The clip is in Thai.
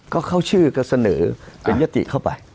ก็เข้าชื่อก็เสนอเป็นยติเข้าไป